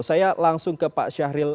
saya langsung ke pak syahril